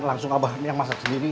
langsung abah yang masak sendiri